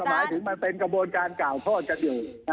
หมายถึงมันเป็นกระบวนการกล่าวโทษกันอยู่